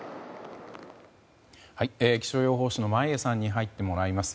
気象予報士の眞家さんに入ってもらいます。